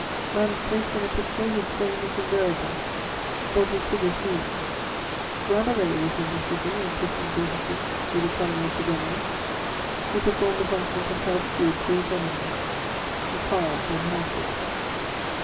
Man is placed in a picture whose frame is invariable, but whose figures move. Rabelais was in this city, in 1536, with the Cardinal du Bellay; he performed the functions of house steward to His Eminence; he "carved and handed."